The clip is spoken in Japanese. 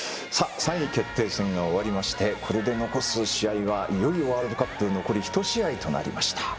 ３位決定戦が終わりましてこれで残す試合はいよいよ、ワールドカップ残り１試合となりました。